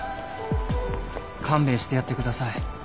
勘弁してやってください。